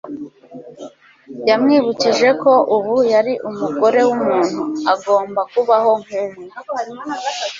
yamwibukije ko ubu yari umugore w'umuntu. agomba kubaho nkumwe